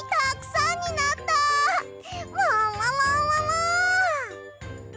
ももももも！